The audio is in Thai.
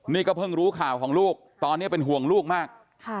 นี่ก็เพิ่งรู้ข่าวของลูกตอนนี้เป็นห่วงลูกมาก